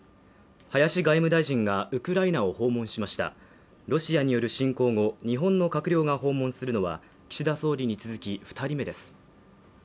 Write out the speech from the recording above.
林外務大臣がウクライナを訪問しましたロシアによる侵攻後日本の閣僚が訪問するのは岸田総理に続き二人目です